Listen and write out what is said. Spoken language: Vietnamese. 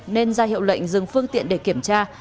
nên ra hiệu lệnh dừng phương tiện để kiểm tra